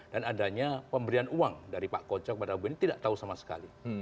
dan adanya pemberian uang dari pak kocok kepada bueni tidak tahu sama sekali